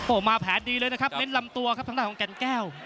โอ้โหมาแผนดีเลยนะครับเน้นลำตัวครับทางด้านของแก่นแก้ว